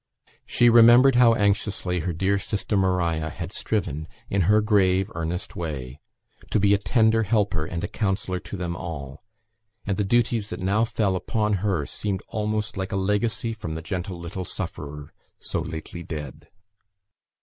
She remembered how anxiously her dear sister Maria had striven, in her grave earnest way, to be a tender helper and a counsellor to them all; and the duties that now fell upon her seemed almost like a legacy from the gentle little sufferer so lately dead.